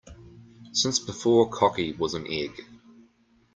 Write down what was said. Since before cocky was an egg.